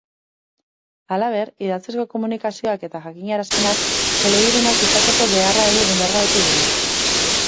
Halaber, idatzizko komunikazioak eta jakinarazpenak elebidunak izateko beharra ere indargabetu du.